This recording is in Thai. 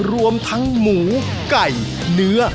รวมทั้งหมูไก่เนื้อ